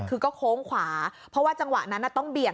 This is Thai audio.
คือก็โค้งขวาเพราะว่าจังหวะนั้นต้องเบียด